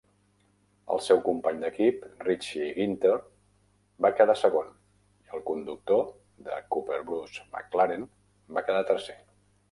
El seu company d'equip, Richie Ginter, va quedar segon i el conductor de Cooper Bruce McLaren va quedar tercer.